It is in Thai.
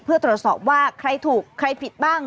เพื่อตรวจสอบว่าใครถูกใครผิดบ้าง